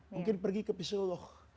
mungkin pergi ke pisuluh